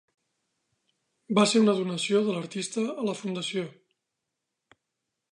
Va ser una donació de l'artista a la Fundació.